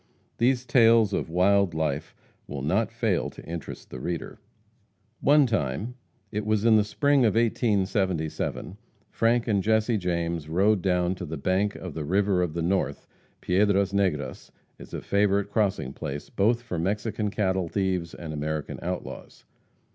These tales of wild life will not fail to interest the reader. One time it was in the spring of 1877 Frank and Jesse James rode down to the bank of the "River of the North." Piedras Negras is a favorite crossing place, both for Mexican cattle thieves and American outlaws.